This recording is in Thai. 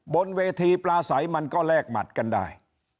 บนเวทีปลาใสมันก็แลกหมัดกันได้